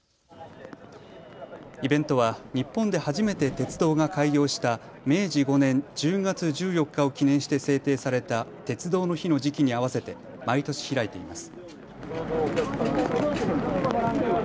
イベントは日本で初めて鉄道が開業した明治５年１０月１４日を記念して制定された鉄道の日の時期に合わせて毎年開いています。